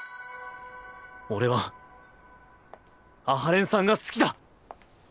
俺は阿波連さんが好きだ！